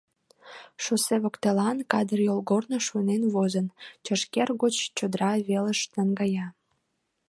Шоссе воктелан, кадыр йолгорно шуйнен возын, чашкер гоч чодра велыш наҥгая.